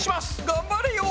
頑張れよ！